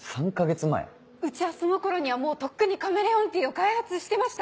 うちはその頃にはもうとっくにカメレオンティーを開発してました！